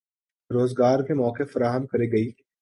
روزگار کے مواقع فراہم کرے گی